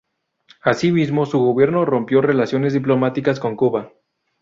Asimismo, su gobierno rompió relaciones diplomáticas con Cuba.